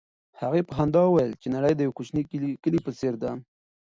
هغې په خندا وویل چې نړۍ د یو کوچني کلي په څېر ده.